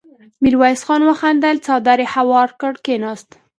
ميرويس خان وخندل، څادر يې هوار کړ، کېناست.